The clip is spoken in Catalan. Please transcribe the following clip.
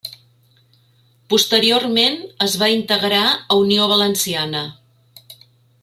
Posteriorment es va integrar a Unió Valenciana.